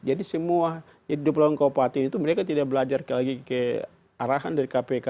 jadi semua di pelayanan kabupaten itu mereka tidak lagi belajar ke arahan dari kpk